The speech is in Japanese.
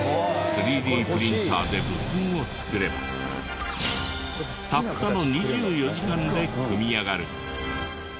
３Ｄプリンターで部品を作ればたったの２４時間で組み上がる。